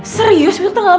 serius besok tanggal empat